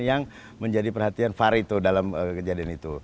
yang menjadi perhatian var itu dalam kejadian itu